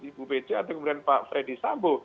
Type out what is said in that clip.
ibu pece atau kemudian pak freddy sambo